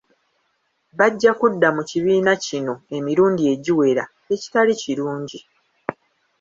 Bajja kudda mu kibiina kino emirundi egiwera, ekitali kirungi.